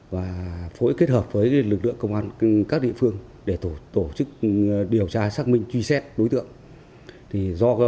và phối kết hợp với lực lượng công an các địa phương để tổ chức điều tra xác minh truy xét đối tượng